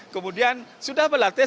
kemudian sudah berlatih